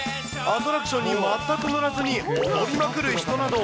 アトラクションに全く乗らずに踊りまくる人など。